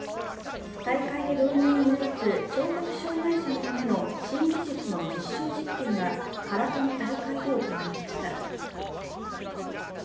大会で導入を目指す聴覚障害者のための新技術の実証実験が空手の大会で行われました。